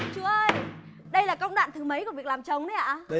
chú ơi đây là công đoạn thứ mấy của việc làm trống đấy ạ